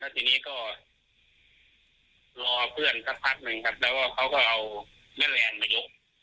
ทีนี้ก็รอเพื่อนสักพักหนึ่งครับแล้วก็เขาก็เอาแม่แรงมายก